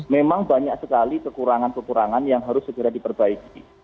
memang banyak sekali kekurangan kekurangan yang harus segera diperbaiki